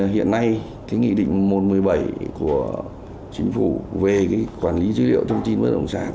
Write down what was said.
hiện nay cái nghị định một trăm một mươi bảy của chính phủ về cái quản lý dữ liệu thông tin bất động sản